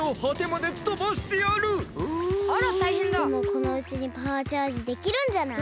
でもこのうちにパワーチャージできるんじゃない？